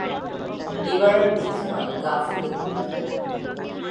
এবার আর দ্বিধা নয়, গাফিলতি নয়।